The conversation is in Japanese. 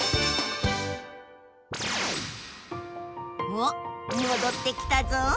おっもどってきたぞ！